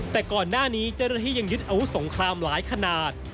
แต่ก่อนหน้านี้เจ้าหน้าที่ยังยึดอาวุธสงครามหลายขนาด